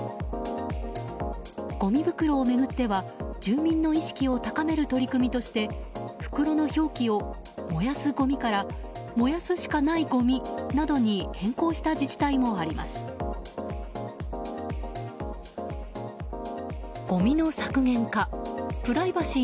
ごみ袋を巡っては、住民の意識を高める取り組みとして袋の表記を「燃やすごみ」から「燃やすしかないごみ」などに「オールフリー」はじめての人しか入れません